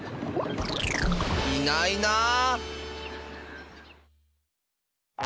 いないなあ。